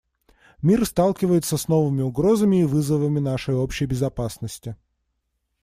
Мир сталкивается с новыми угрозами и вызовами нашей общей безопасности.